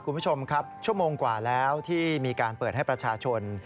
คุณผู้ชมครับชั่วโมงกว่าแล้วที่มีการเปิดให้ประชาชน